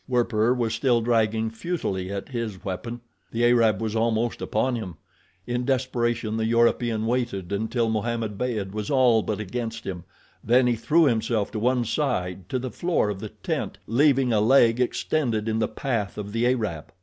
Werper was still dragging futilely at his weapon. The Arab was almost upon him. In desperation the European waited until Mohammed Beyd was all but against him, then he threw himself to one side to the floor of the tent, leaving a leg extended in the path of the Arab.